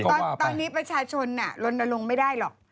ตอนนี้ประชาชนลนลงไม่ได้หรอก